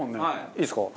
いいですか？